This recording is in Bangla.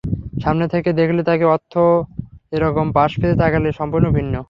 সামনে থেকে দেখলে তার অর্থ একরকম, পাশ ফিরে তাকালে সম্পূর্ণ ভিন্ন।